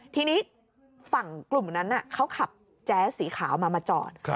ทีนี้ฝั่งกลุ่มนั้นเขาขับแจ๊สสีขาวมามาจอด